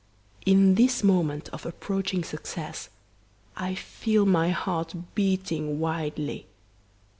In this moment of approaching success, I feel my heart beating wildly.